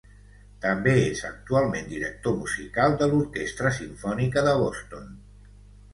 També és actualment director musical de l'Orquestra Simfònica de Boston.